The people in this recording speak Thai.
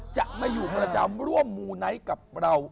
จะมาอยู่ประจำร่วมมูไนท์กับเรา